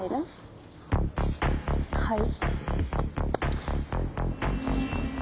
はい？